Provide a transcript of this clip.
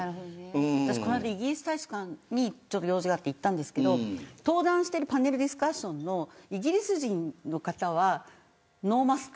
私この間、イギリス大使館に用事があって行ったんですけど登壇しているパネルディスカッションのイギリス人の方はノーマスク。